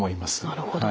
なるほど。